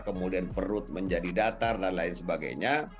kemudian perut menjadi datar dan lain sebagainya